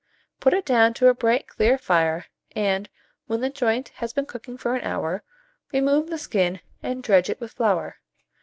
Put it down to a bright, clear fire, and, when the joint has been cooking for an hour, remove the skin and dredge it with flour.